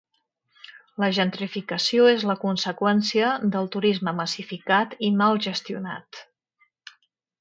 La gentrificació és la conseqüència del turisme massificat i mal gestionat.